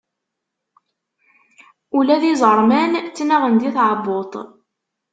Ula d iẓerman ttnaɣen di tɛebbuḍt.